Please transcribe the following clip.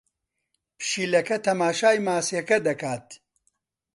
پشیلەکە تەماشای ماسییەکە دەکات.